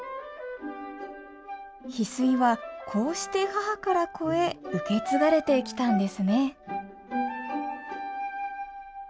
ヒスイはこうして母から子へ受け継がれてきたんですね